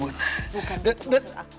bukan gitu maksud aku